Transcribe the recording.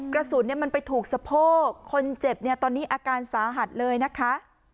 กระสุนมันไปถูกสะโพกคนเจ็บเนี่ยตอนนี้อาการสาหัสเลยนะคะ